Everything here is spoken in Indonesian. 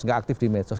nggak aktif di medsos